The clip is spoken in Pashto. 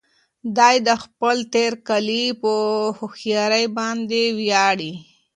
دی د خپل تېرکالي په هوښيارۍ باندې ویاړي.